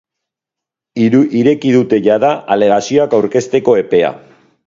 Ireki dute jada alegazioak aurkezteko epea.